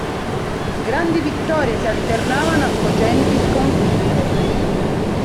Grandi vittorie si alternavano a cocenti sconfitte.